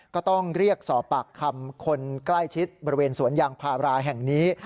ก็ต้องเรียกสอบปากคำคนใกล้ชิดบริเวณสวนยางพาราแห่งนี้